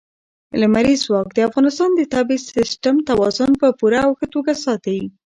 لمریز ځواک د افغانستان د طبعي سیسټم توازن په پوره او ښه توګه ساتي.